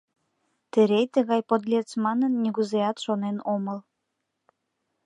Терей тыгай подлец манын, нигузеат шонен омыл.